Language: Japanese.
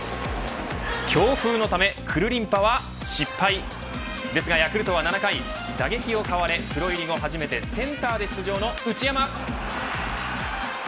強風のためくるりんぱは失敗しましたがですが、ヤクルトは７回打撃を買われ、プロ入り後初めてセンターで出場の内山。